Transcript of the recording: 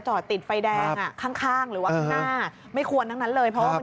โอ๊ยต้องย้ำเตือนเลยนะคะรถเล็กนะ